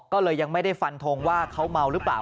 ก็เลยยังไม่ได้ฟันทงว่าเขาเมาหรือเปล่า